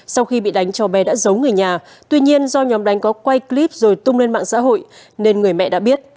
sau khi bị đánh cho bé đã giấu người nhà tuy nhiên do nhóm đánh có quay clip rồi tung lên mạng xã hội nên người mẹ đã biết